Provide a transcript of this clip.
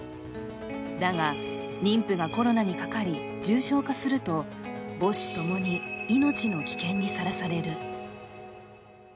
だが妊婦がコロナにかかり、重症化すると、母子共に命の危険にさらされる。